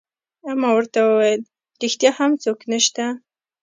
ما ورته وویل: ریښتیا هم څوک نشته؟